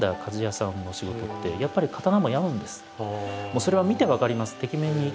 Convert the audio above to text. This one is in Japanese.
それは見て分かりますてきめんに。